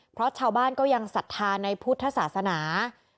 เพราะชาวบ้านก็ยังศรัทธาในพุทธศาสนา